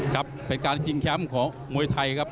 ครับเป็นการชิงแชมป์ของมวยไทยครับ